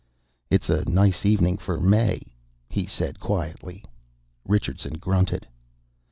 "It's a nice evening for May," he said quietly. Richardson grunted.